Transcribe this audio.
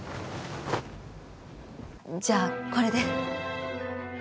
じゃあこれで。